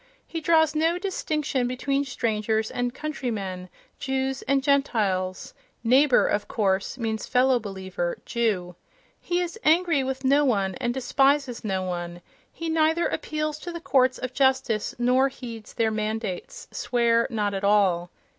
He draws no distinction between strangers and countrymen, Jews and Gentiles ("neighbour," of course, means fellow believer, Jew). He is angry with no one, and he despises no one. He neither appeals to the courts of justice nor heeds their mandates ("Swear not at all").